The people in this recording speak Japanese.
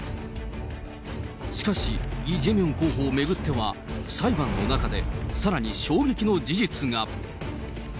しかし、イ・ジェミョン候補を巡っては、裁判の中でさらに衝撃の事実が。